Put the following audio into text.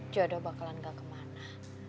jodoh bakalan gak kemana